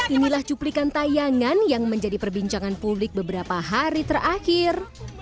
inilah cuplikan tayangan yang menjadi perbincangan publik beberapa hari terakhir